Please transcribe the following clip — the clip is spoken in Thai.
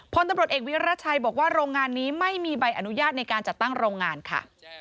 พลตำรวจเอกวิรัชัยบอกว่าโรงงานนี้ไม่มีใบอนุญาตในการจัดตั้งโรงงานค่ะ